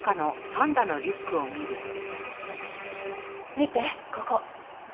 見てここ。